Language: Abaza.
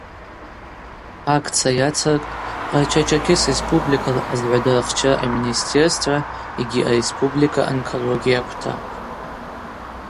Акция йацыркӏтӏ Къарча-Черкес республика азгӏвадарахчара аминистерства йгьи ареспублика онкология квта.